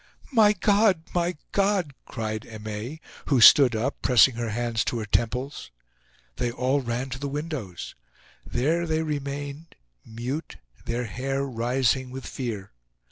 "My God! My God!" cried Aimee, who stood up, pressing her hands to her temples. They all ran to the windows. There they remained, mute, their hair rising with fear.